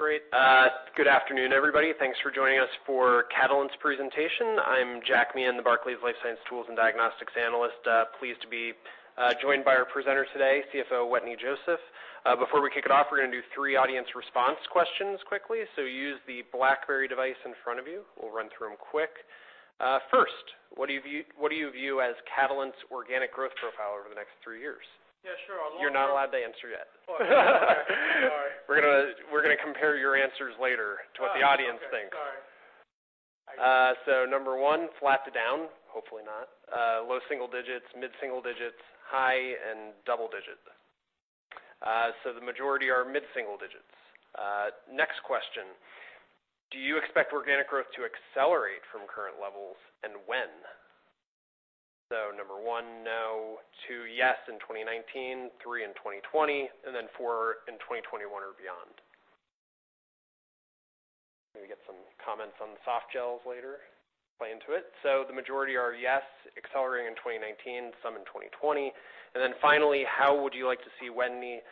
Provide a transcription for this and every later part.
Great. Good afternoon, everybody. Thanks for joining us for Catalent's presentation. I'm Jack Meehan, the Barclays Life Science Tools and Diagnostics Analyst, pleased to be joined by our presenter today, CFO Wetteny Joseph. Before we kick it off, we're going to do three audience response questions quickly. So use the BlackBerry device in front of you. We'll run through them quick. First, what do you view as Catalent's organic growth profile over the next three years? Yeah, sure. You're not allowed to answer yet. We're going to compare your answers later to what the audience thinks. So number one, flat to down, hopefully not. Low single digits, mid single digits, high, and double digit. So the majority are mid single digits. Next question. Do you expect organic growth to accelerate from current levels, and when? So number one, no. Two, yes in 2019. Three, in 2020. And then four, in 2021 or beyond. Maybe get some comments on softgels later. Play into it. So the majority are yes, accelerating in 2019, some in 2020. And then finally, how would you like to see Wetteny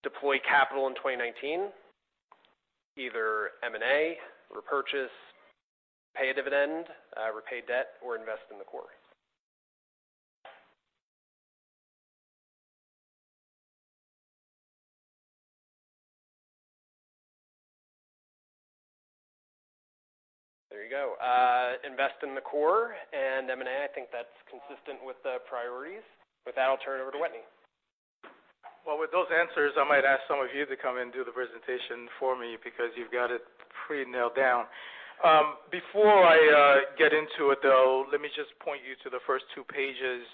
deploy capital in 2019? Either M&A, repurchase, pay a dividend, repay debt, or invest in the core? There you go. Invest in the core and M&A. I think that's consistent with the priorities. With that, I'll turn it over to Wetteny. With those answers, I might ask some of you to come and do the presentation for me because you've got it pretty nailed down. Before I get into it, though, let me just point you to the first two pages,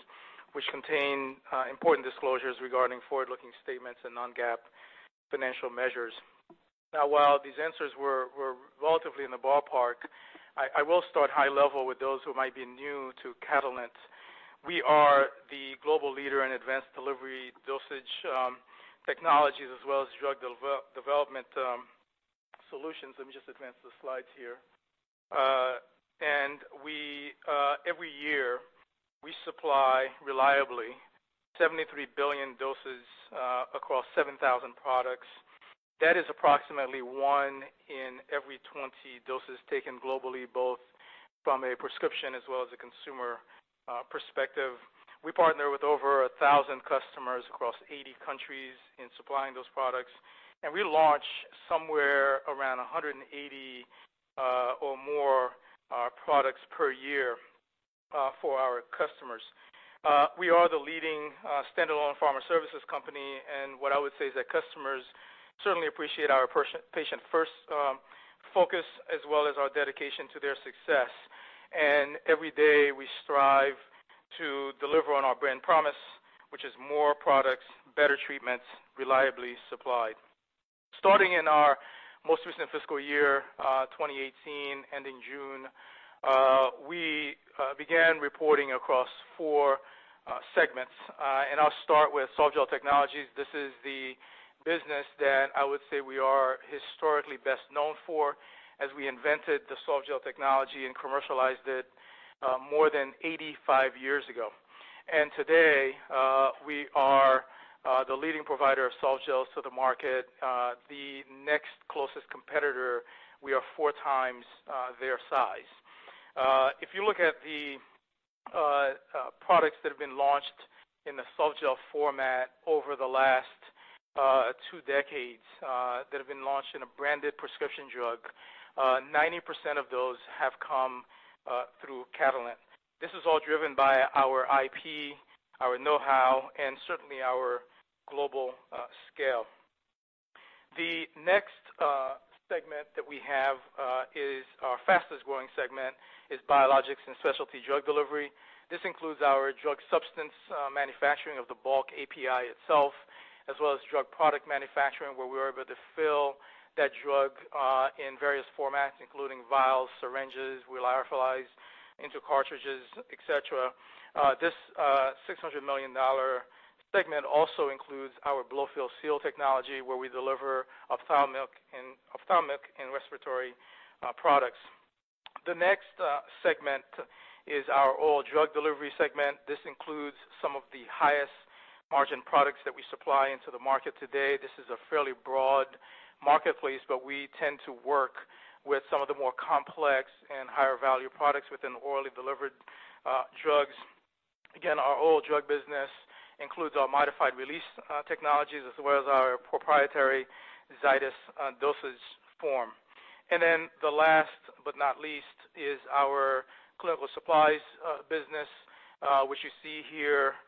which contain important disclosures regarding forward-looking statements and non-GAAP financial measures. Now, while these answers were relatively in the ballpark, I will start high level with those who might be new to Catalent. We are the global leader in advanced delivery dosage technologies as well as drug development solutions. Let me just advance the slides here. Every year, we supply reliably 73 billion doses across 7,000 products. That is approximately one in every 20 doses taken globally, both from a prescription as well as a consumer perspective. We partner with over 1,000 customers across 80 countries in supplying those products. And we launch somewhere around 180 or more products per year for our customers. We are the leading standalone pharma services company. And what I would say is that customers certainly appreciate our patient-first focus as well as our dedication to their success. And every day, we strive to deliver on our brand promise, which is more products, better treatments, reliably supplied. Starting in our most recent fiscal year 2018, ending June, we began reporting across four segments. And I'll start with Softgel Technologies. This is the business that I would say we are historically best known for as we invented the softgel technology and commercialized it more than 85 years ago. And today, we are the leading provider of softgels to the market. The next closest competitor, we are 4x their size. If you look at the products that have been launched in the softgel format over the last two decades that have been launched in a branded prescription drug, 90% of those have come through Catalent. This is all driven by our IP, our know-how, and certainly our global scale. The next segment that we have is our fastest-growing segment, is Biologics and Specialty Drug Delivery. This includes our drug substance manufacturing of the bulk API itself, as well as drug product manufacturing, where we are able to fill that drug in various formats, including vials, syringes, we lyophilize into cartridges, etc. This $600 million segment also includes our blow-fill-seal technology, where we deliver ophthalmic and respiratory products. The next segment is our Oral Drug Delivery segment. This includes some of the highest margin products that we supply into the market today. This is a fairly broad marketplace, but we tend to work with some of the more complex and higher value products within orally delivered drugs. Again, our Oral Drug business includes our modified release technologies as well as our proprietary Zydis dosage form. And then the last but not least is our clinical supplies business, which you see here.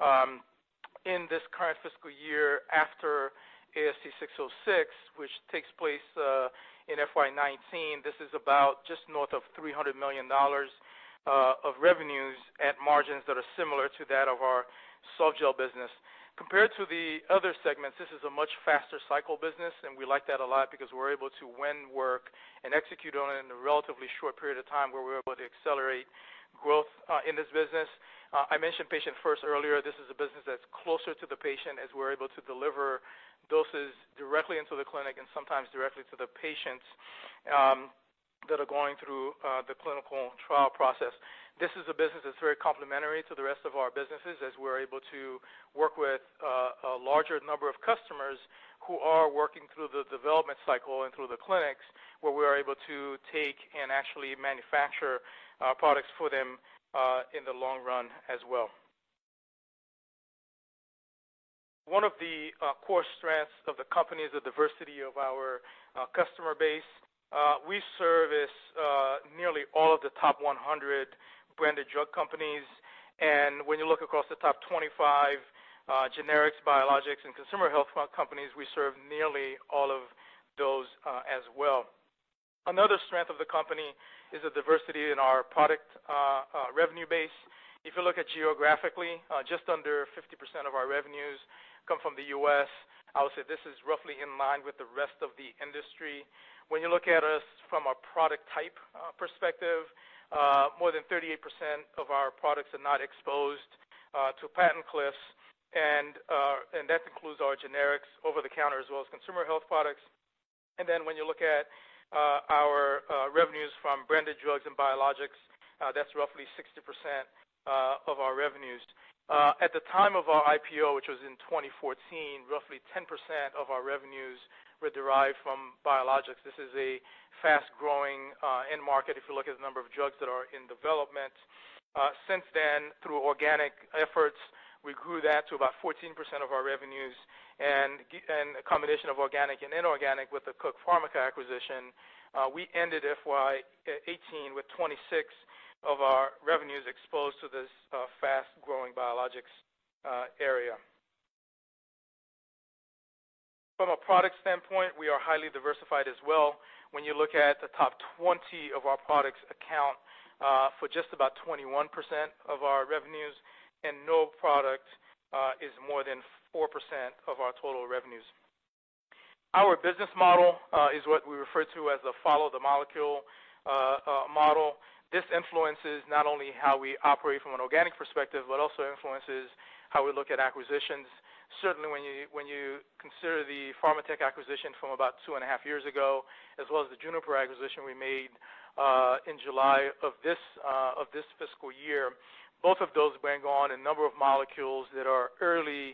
In this current fiscal year, after ASC 606, which takes place in FY 2019, this is about just north of $300 million of revenues at margins that are similar to that of our Softgel business. Compared to the other segments, this is a much faster cycle business, and we like that a lot because we're able to win work and execute on it in a relatively short period of time, where we're able to accelerate growth in this business. I mentioned patient-first earlier. This is a business that's closer to the patient, as we're able to deliver doses directly into the clinic and sometimes directly to the patients that are going through the clinical trial process. This is a business that's very complementary to the rest of our businesses, as we're able to work with a larger number of customers who are working through the development cycle and through the clinics, where we are able to take and actually manufacture products for them in the long run as well. One of the core strengths of the company is the diversity of our customer base. We service nearly all of the top 100 branded drug companies, and when you look across the top 25 generics, biologics, and consumer health companies, we serve nearly all of those as well. Another strength of the company is the diversity in our product revenue base. If you look at geographically, just under 50% of our revenues come from the U.S. I would say this is roughly in line with the rest of the industry. When you look at us from a product type perspective, more than 38% of our products are not exposed to patent cliffs, and that includes our generics, over-the-counter, as well as consumer health products, and then when you look at our revenues from branded drugs and biologics, that's roughly 60% of our revenues. At the time of our IPO, which was in 2014, roughly 10% of our revenues were derived from biologics. This is a fast-growing end market if you look at the number of drugs that are in development. Since then, through organic efforts, we grew that to about 14% of our revenues. A combination of organic and inorganic with the Cook Pharmica acquisition, we ended FY 2018 with 26% of our revenues exposed to this fast-growing biologics area. From a product standpoint, we are highly diversified as well. When you look at the top 20 of our products, account for just about 21% of our revenues. No product is more than 4% of our total revenues. Our business model is what we refer to as the Follow the Molecule model. This influences not only how we operate from an organic perspective, but also influences how we look at acquisitions. Certainly, when you consider the Pharmatek acquisition from about 2.5 years ago, as well as the Juniper acquisition we made in July of this fiscal year, both of those bring on a number of molecules that are early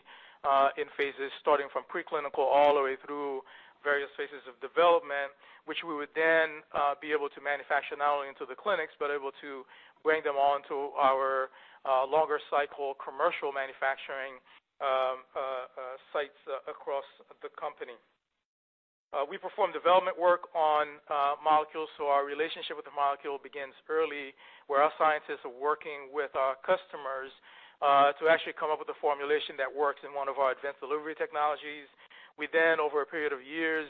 in phases, starting from preclinical all the way through various phases of development, which we would then be able to manufacture not only into the clinics, but able to bring them on to our longer-cycle commercial manufacturing sites across the company. We perform development work on molecules. So our relationship with the molecule begins early, where our scientists are working with our customers to actually come up with a formulation that works in one of our advanced delivery technologies. We then, over a period of years,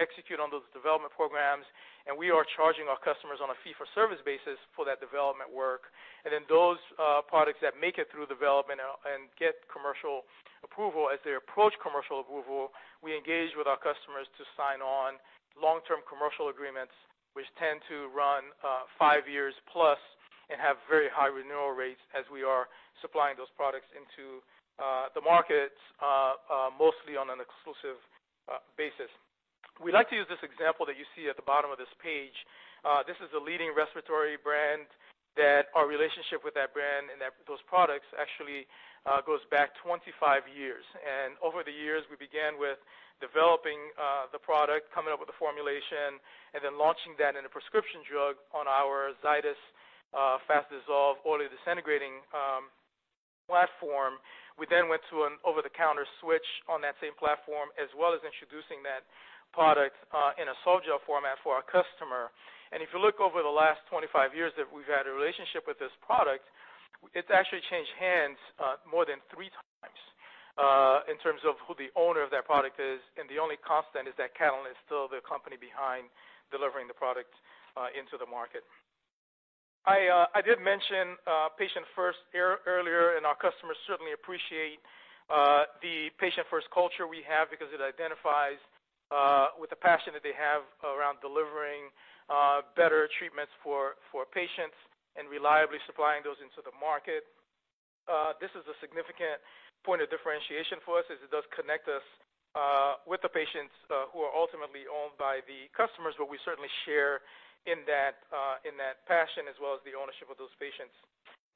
execute on those development programs, and we are charging our customers on a fee-for-service basis for that development work. Then those products that make it through development and get commercial approval, as they approach commercial approval, we engage with our customers to sign on long-term commercial agreements, which tend to run 5+ years and have very high renewal rates as we are supplying those products into the markets, mostly on an exclusive basis. We like to use this example that you see at the bottom of this page. This is a leading respiratory brand that our relationship with that brand and those products actually goes back 25 years. Over the years, we began with developing the product, coming up with the formulation, and then launching that in a prescription drug on our Zydis fast-dissolve orally disintegrating platform. We then went to an over-the-counter switch on that same platform, as well as introducing that product in a softgel format for our customer. If you look over the last 25 years that we've had a relationship with this product, it's actually changed hands more than three times in terms of who the owner of that product is. The only constant is that Catalent is still the company behind delivering the product into the market. I did mention patient-first earlier, and our customers certainly appreciate the patient-first culture we have because it identifies with the passion that they have around delivering better treatments for patients and reliably supplying those into the market. This is a significant point of differentiation for us, as it does connect us with the patients who are ultimately owned by the customers, but we certainly share in that passion as well as the ownership of those patients.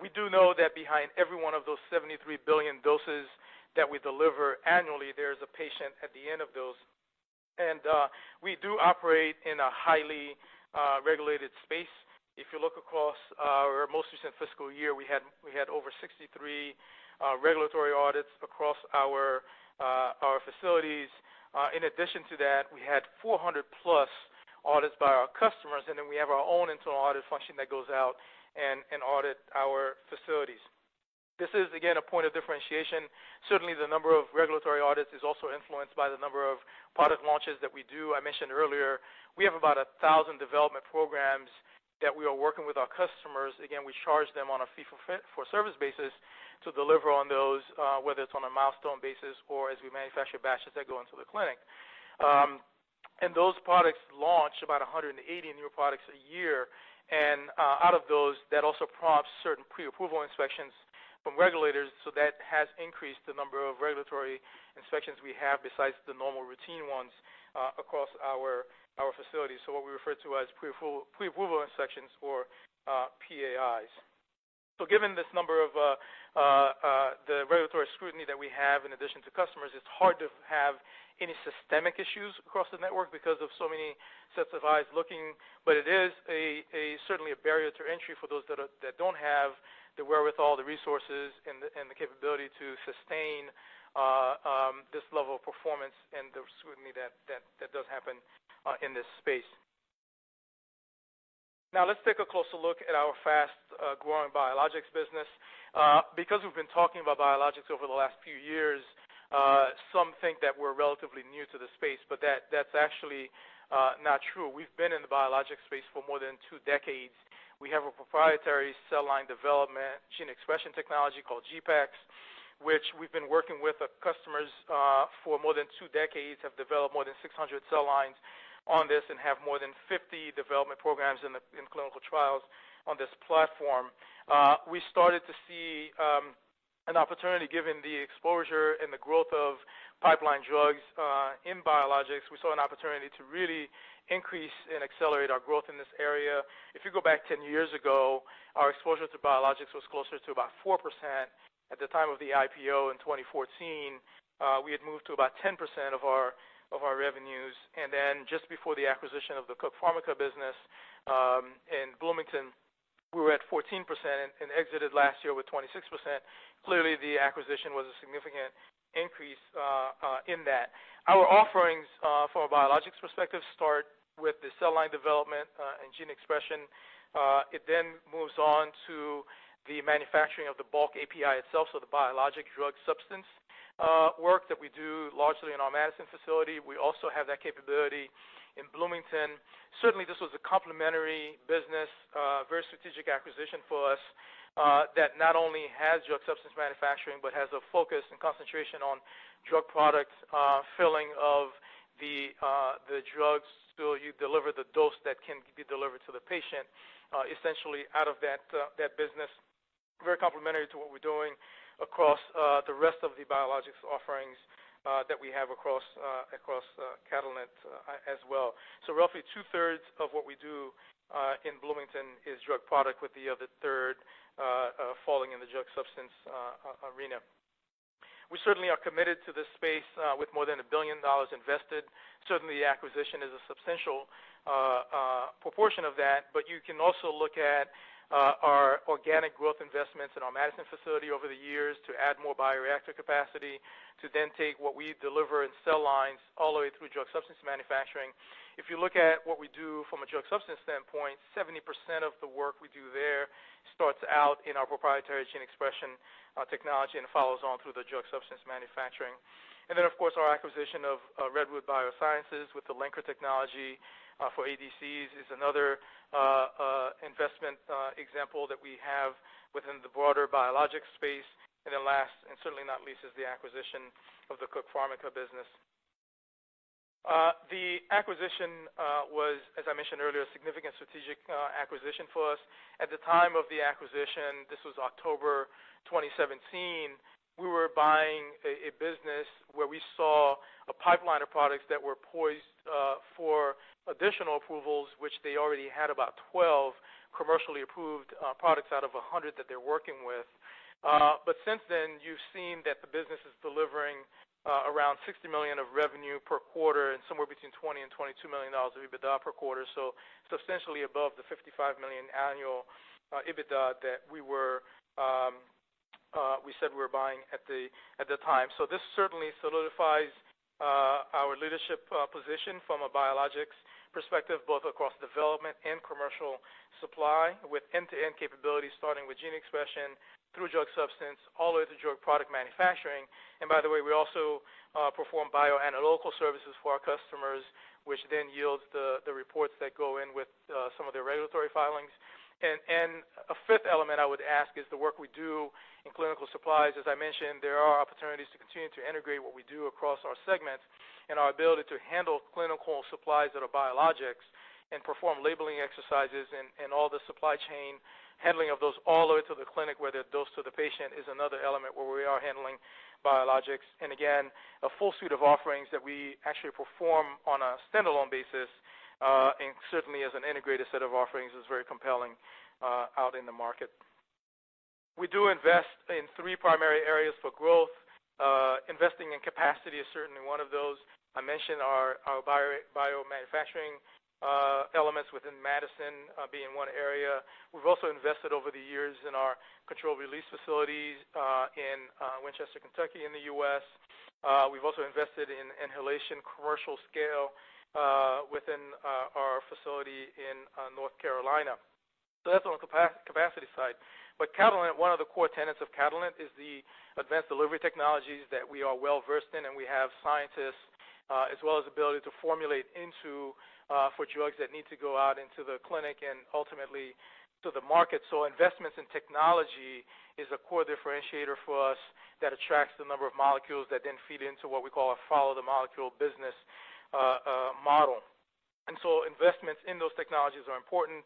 We do know that behind every one of those 73 billion doses that we deliver annually, there is a patient at the end of those. We do operate in a highly regulated space. If you look across our most recent fiscal year, we had over 63 regulatory audits across our facilities. In addition to that, we had 400+ audits by our customers. We have our own internal audit function that goes out and audits our facilities. This is, again, a point of differentiation. Certainly, the number of regulatory audits is also influenced by the number of product launches that we do. I mentioned earlier, we have about 1,000 development programs that we are working with our customers. Again, we charge them on a fee-for-service basis to deliver on those, whether it's on a milestone basis or as we manufacture batches that go into the clinic. And those products launch about 180 new products a year. And out of those, that also prompts certain pre-approval inspections from regulators. So that has increased the number of regulatory inspections we have besides the normal routine ones across our facilities. So what we refer to as pre-approval inspections or PAIs. So given this number of the regulatory scrutiny that we have in addition to customers, it's hard to have any systemic issues across the network because of so many sets of eyes looking. But it is certainly a barrier to entry for those that don't have the wherewithal, the resources, and the capability to sustain this level of performance and the scrutiny that does happen in this space. Now, let's take a closer look at our fast-growing Biologics business. Because we've been talking about biologics over the last few years, some think that we're relatively new to the space, but that's actually not true. We've been in the biologics space for more than two decades. We have a proprietary cell line development gene expression technology called GPEx, which we've been working with our customers for more than two decades, have developed more than 600 cell lines on this, and have more than 50 development programs and clinical trials on this platform. We started to see an opportunity given the exposure and the growth of pipeline drugs in biologics. We saw an opportunity to really increase and accelerate our growth in this area. If you go back 10 years ago, our exposure to biologics was closer to about 4%. At the time of the IPO in 2014, we had moved to about 10% of our revenues. And then just before the acquisition of the Cook Pharmica business in Bloomington, we were at 14% and exited last year with 26%. Clearly, the acquisition was a significant increase in that. Our offerings from a biologics perspective start with the cell line development and gene expression. It then moves on to the manufacturing of the bulk API itself, so the biologic drug substance work that we do largely in our Madison facility. We also have that capability in Bloomington. Certainly, this was a complementary business, very strategic acquisition for us that not only has drug substance manufacturing, but has a focus and concentration on drug product filling of the drugs so you deliver the dose that can be delivered to the patient, essentially out of that business. Very complementary to what we're doing across the rest of the biologics offerings that we have across Catalent as well. Roughly 2/3 of what we do in Bloomington is drug product, with the 1/3 falling in the drug substance arena. We certainly are committed to this space with more than $1 billion invested. Certainly, the acquisition is a substantial proportion of that. You can also look at our organic growth investments in our Madison facility over the years to add more bioreactor capacity, to then take what we deliver in cell lines all the way through drug substance manufacturing. If you look at what we do from a drug substance standpoint, 70% of the work we do there starts out in our proprietary gene expression technology and follows on through the drug substance manufacturing. Of course, our acquisition of Redwood Biosciences with the linker technology for ADCs is another investment example that we have within the broader biologics space. And then last, and certainly not least, is the acquisition of the Cook Pharmica business. The acquisition was, as I mentioned earlier, a significant strategic acquisition for us. At the time of the acquisition, this was October 2017, we were buying a business where we saw a pipeline of products that were poised for additional approvals, which they already had about 12 commercially approved products out of 100 that they're working with. But since then, you've seen that the business is delivering around $60 million of revenue per quarter and somewhere between $20 million-$22 million of EBITDA per quarter. So substantially above the $55 million annual EBITDA that we said we were buying at the time. This certainly solidifies our leadership position from a biologics perspective, both across development and commercial supply, with end-to-end capability starting with gene expression through drug substance all the way to drug product manufacturing. By the way, we also perform bioanalytical services for our customers, which then yields the reports that go in with some of their regulatory filings. A fifth element I would ask is the work we do in clinical supplies. As I mentioned, there are opportunities to continue to integrate what we do across our segments and our ability to handle clinical supplies that are biologics and perform labeling exercises and all the supply chain handling of those all the way to the clinic, whether it's dosed to the patient, is another element where we are handling biologics. Again, a full suite of offerings that we actually perform on a standalone basis and certainly as an integrated set of offerings is very compelling out in the market. We do invest in three primary areas for growth. Investing in capacity is certainly one of those. I mentioned our biomanufacturing elements within Madison being one area. We've also invested over the years in our control release facilities in Winchester, Kentucky, in the U.S. We've also invested in inhalation commercial scale within our facility in North Carolina. That's on the capacity side. Catalent, one of the core tenets of Catalent is the advanced delivery technologies that we are well versed in. We have scientists as well as the ability to formulate into for drugs that need to go out into the clinic and ultimately to the market. Investments in technology is a core differentiator for us that attracts the number of molecules that then feed into what we call a Follow the Molecule business model. Investments in those technologies are important.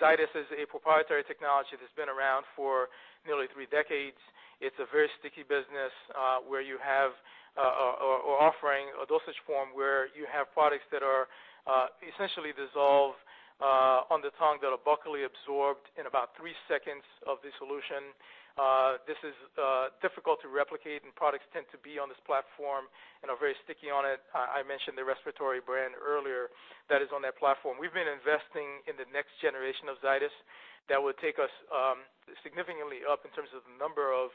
Zydis is a proprietary technology that's been around for nearly three decades. It's a very sticky business where you have or offering a dosage form where you have products that are essentially dissolved on the tongue that are buccally absorbed in about three seconds of the solution. This is difficult to replicate, and products tend to be on this platform and are very sticky on it. I mentioned the respiratory brand earlier that is on that platform. We've been investing in the next generation of Zydis that would take us significantly up in terms of the number of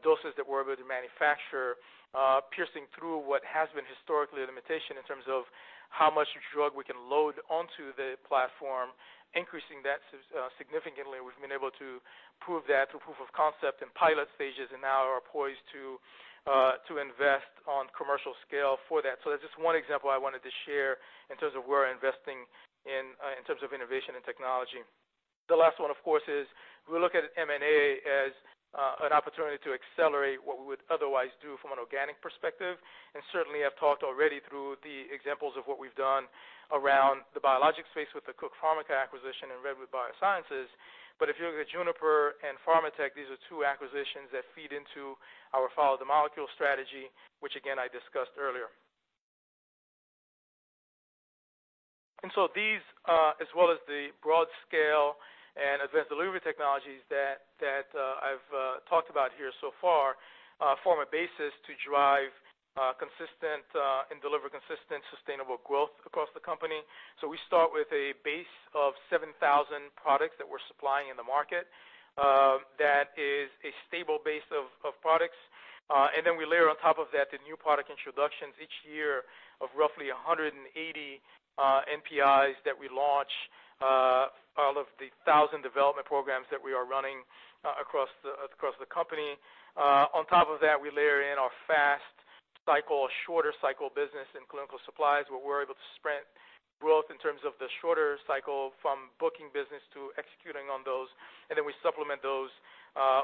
doses that we're able to manufacture, piercing through what has been historically a limitation in terms of how much drug we can load onto the platform, increasing that significantly. We've been able to prove that through proof of concept and pilot stages and now are poised to invest on commercial scale for that, so that's just one example I wanted to share in terms of where we're investing in terms of innovation and technology. The last one, of course, is we look at M&A as an opportunity to accelerate what we would otherwise do from an organic perspective, and certainly, I've talked already through the examples of what we've done around the biologics space with the Cook Pharmica acquisition and Redwood Biosciences. But if you look at Juniper and Pharmatek, these are two acquisitions that feed into our Follow the Molecule strategy, which again, I discussed earlier. And so these, as well as the broad scale and advanced delivery technologies that I've talked about here so far, form a basis to drive consistent and deliver consistent sustainable growth across the company. So we start with a base of 7,000 products that we're supplying in the market that is a stable base of products. And then we layer on top of that the new product introductions each year of roughly 180 NPIs that we launch out of the 1,000 development programs that we are running across the company. On top of that, we layer in our fast cycle, shorter cycle business in clinical supplies where we're able to sprint growth in terms of the shorter cycle from booking business to executing on those. And then we supplement those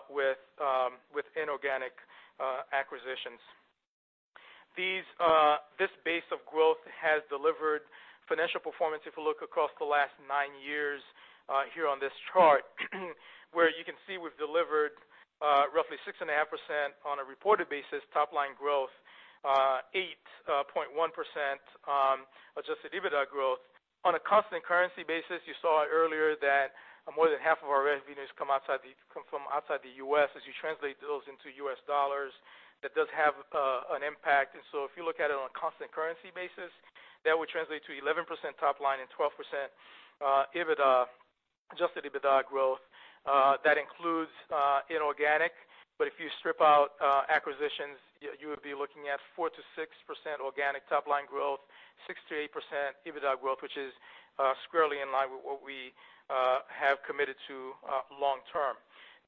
with inorganic acquisitions. This base of growth has delivered financial performance if you look across the last nine years here on this chart, where you can see we've delivered roughly 6.5% on a reported basis, top-line growth, 8.1% adjusted EBITDA growth. On a constant currency basis, you saw earlier that more than half of our revenues come from outside the U.S. As you translate those into U.S. dollars, that does have an impact. And so if you look at it on a constant currency basis, that would translate to 11% top-line and 12% adjusted EBITDA growth. That includes inorganic. But if you strip out acquisitions, you would be looking at 4%-6% organic top-line growth, 6%-8% EBITDA growth, which is squarely in line with what we have committed to long term.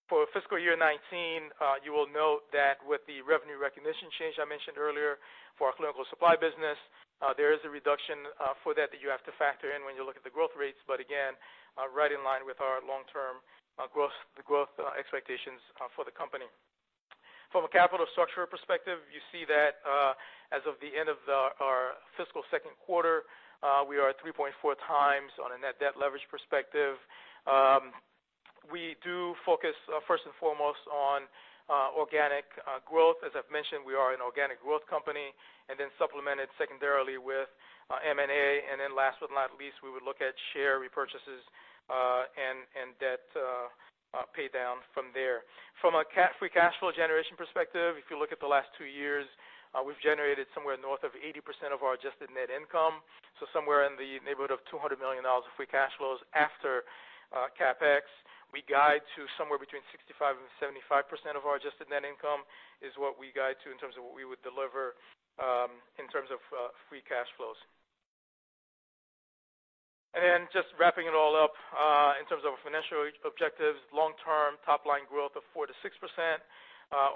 For fiscal year 2019, you will note that with the revenue recognition change I mentioned earlier for our clinical supply business, there is a reduction for that that you have to factor in when you look at the growth rates. But again, right in line with our long-term growth expectations for the company. From a capital structure perspective, you see that as of the end of our fiscal second quarter, we are at 3.4x on a net debt leverage perspective. We do focus first and foremost on organic growth. As I've mentioned, we are an organic growth company. And then supplemented secondarily with M&A. And then last but not least, we would look at share repurchases and debt pay down from there. From a free cash flow generation perspective, if you look at the last two years, we've generated somewhere north of 80% of our adjusted net income, so somewhere in the neighborhood of $200 million of free cash flows after CapEx. We guide to somewhere between 65%-75% of our adjusted net income is what we guide to in terms of what we would deliver in terms of free cash flows. And then just wrapping it all up in terms of our financial objectives, long-term top-line growth of 4%-6%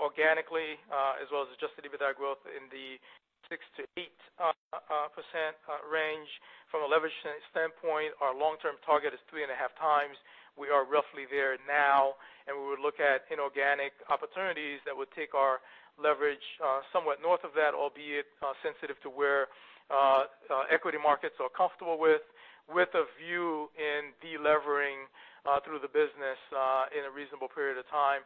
organically, as well as adjusted EBITDA growth in the 6%-8% range. From a leverage standpoint, our long-term target is 3.5x. We are roughly there now. And we would look at inorganic opportunities that would take our leverage somewhat north of that, albeit sensitive to where equity markets are comfortable with. With a view to delivering through the business in a reasonable period of time,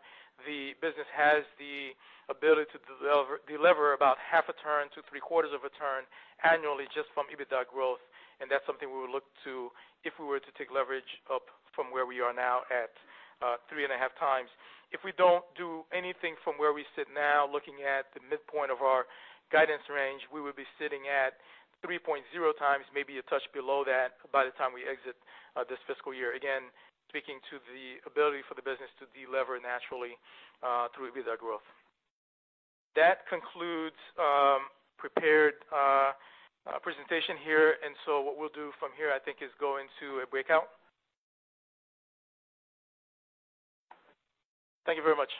the business has the ability to deliver about 1/2 a turn to 3/4 of a turn annually just from EBITDA growth. And that's something we would look to if we were to take leverage up from where we are now at 3.5x. If we don't do anything from where we sit now, looking at the midpoint of our guidance range, we would be sitting at 3.0 times, maybe a touch below that by the time we exit this fiscal year. Again, speaking to the ability for the business to deliver naturally through EBITDA growth. That concludes prepared presentation here. And so what we'll do from here, I think, is go into a breakout. Thank you very much.